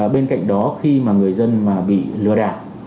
bên cạnh đó khi mà người dân mà bị lừa đảo